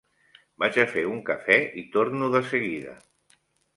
Vaig a fer un cafè i torno de seguida.